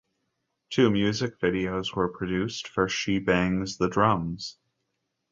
Two music videos were produced for "She Bangs the Drums".